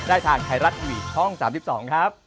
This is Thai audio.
ได้ทางไทรัตวีช่อง๓๒ครับ